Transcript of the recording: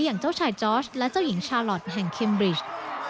อย่างเจ้าชายจอร์ชและเจ้าหญิงชาลอทแห่งเคมริช